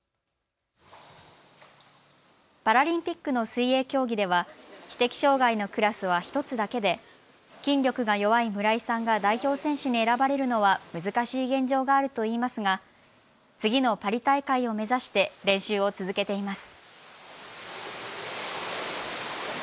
パラリンピックの水泳競技では知的障害のクラスは１つだけで筋力が弱い村井さんが代表選手に選ばれるのは難しい現状があるといいますが、次のパリ大会を目指して練習を続けています。